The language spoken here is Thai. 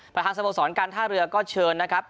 ประธานสมบัติศาสตร์การท่าเรือก็เชิญนะครับ